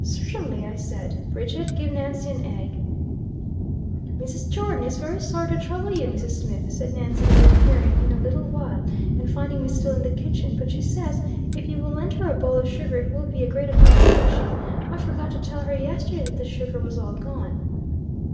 "Certainly," I said. "Bridget, give Nancy an egg." "Mrs. Jordon is very sorry to trouble you, Mrs. Smith," said Nancy, re appearing in a little while, and finding me still in the kitchen, "but she says if you will lend her a bowl of sugar it will be a great accommodation. I forgot to tell her yesterday that the sugar was all gone."